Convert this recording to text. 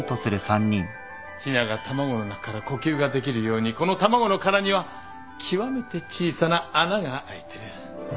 ひなが卵の中から呼吸ができるようにこの卵の殻には極めて小さな穴があいてる。